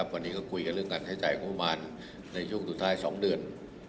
วันนี้ก็คุยกันเรื่องการใช้จ่ายงบประมาณในช่วงสุดท้าย๒เดือน